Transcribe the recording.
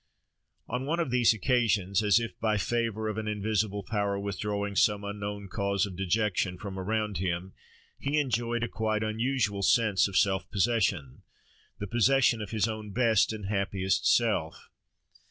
On one of these occasions, as if by favour of an invisible power withdrawing some unknown cause of dejection from around him, he enjoyed a quite unusual sense of self possession—the possession of his own best and happiest self.